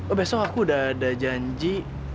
oh besok aku udah ada janji